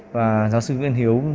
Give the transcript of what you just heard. và giáo sư nguyễn hiếu